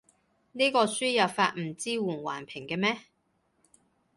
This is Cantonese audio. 呢個輸入法唔支援橫屏嘅咩？